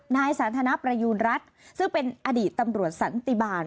นายสันทนประยูณรัฐซึ่งเป็นอดีตตำรวจสันติบาล